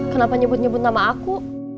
kenapa nyebut nyebut nama aku